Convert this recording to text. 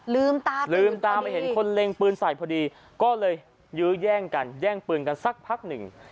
ลืมตาไปเห็นคนเล็งปืนใส่พอดีก็เลยยื้อแย่งกันแย่งปืนกันสักพักหนึ่ง